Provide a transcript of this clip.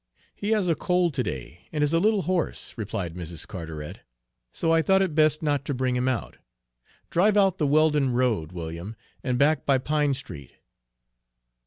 "He has a cold to day, and is a little hoarse," replied Mrs. Carteret, "so I thought it best not to bring him out. Drive out the Weldon road, William, and back by Pine Street."